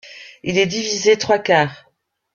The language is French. Il est divisé trois quarts.